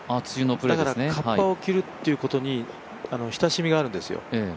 だからカッパを着るということに親しみがあるんですよ。